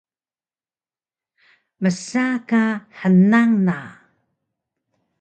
Msa ka hnang na